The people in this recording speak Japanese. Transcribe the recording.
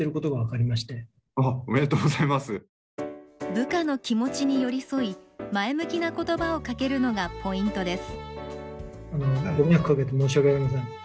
部下の気持ちに寄り添い前向きな言葉をかけるのがポイントです。